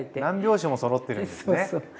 何拍子もそろってるんですね。